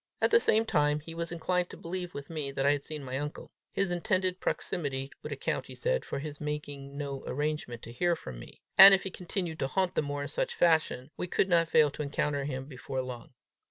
At the same time, he was inclined to believe with me, that I had seen my uncle. His intended proximity would account, he said, for his making no arrangement to hear from me; and if he continued to haunt the moor in such fashion, we could not fail to encounter him before long.